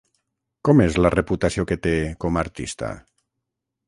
Com és la reputació que té com artista?